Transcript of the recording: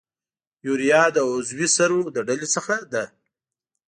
یوریا د عضوي سرو له ډلې څخه ده.